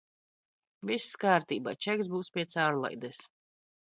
Viss kārtībā, čeks būs pie caurlaides.